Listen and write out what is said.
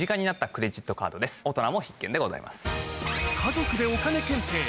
大人も必見でございます。